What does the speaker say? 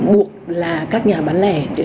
muộn là các nhà bán lẻ